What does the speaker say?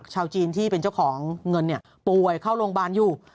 ชาวจีนที่เป็นเจ้าของเงินป่วยเข้าโรงพยาบาลอยู่